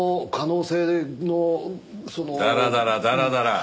ダラダラダラダラ！